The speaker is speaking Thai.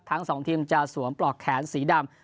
ทั้งสองทีมจะสวมปลอกแขนสีดำ